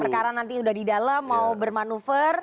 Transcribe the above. perkara nanti sudah di dalam mau bermanuver